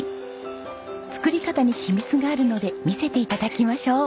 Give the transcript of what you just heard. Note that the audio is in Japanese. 作り方に秘密があるので見せて頂きましょう。